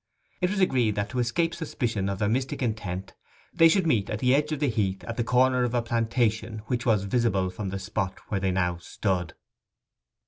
It was agreed that, to escape suspicion of their mystic intent, they should meet at the edge of the heath at the corner of a plantation which was visible from the spot where they now stood.